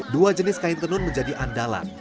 dua jenis kain tenun menjadi andalan